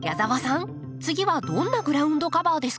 次はどんなグラウンドカバーですか？